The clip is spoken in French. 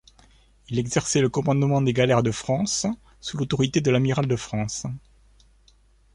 Il exerçait le commandement des galères de France, sous l'autorité de l'amiral de France.